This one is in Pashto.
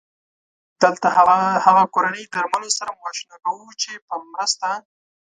دلته هغه کورني درملو سره مو اشنا کوو چې په مرسته